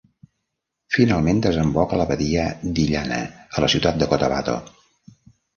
Finalment desemboca a la badia d'Illana a la ciutat de Cotabato.